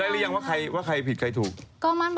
ไม่ใช่ค่ะพี่มา